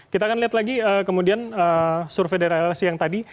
kita akan lihat lagi kemudian survei dari lsi yang tadi